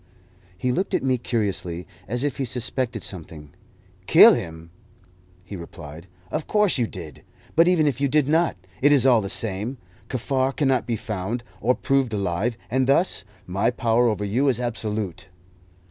He looked at me curiously, as if he suspected something. "Kill him?" he replied. "Of course you did. But even if you did not, it is all the same. Kaffar cannot be found, or proved alive, and thus my power over you is absolute."